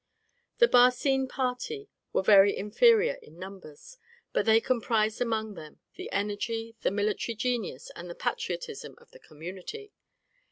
The Barcine party were very inferior in numbers, but they comprised among them the energy, the military genius, and the patriotism of the community.